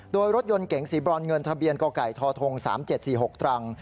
โดยรถยนต์เก๋งสีบรอนเงินทะเบียนกไก่ทท๓๗๔๖ตรัง